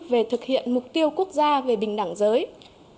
về tổng thể nguyên tắc chung về tổng thể nguyên tắc chung